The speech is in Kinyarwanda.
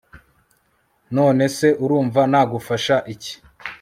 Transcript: none se urumva nagufasha iki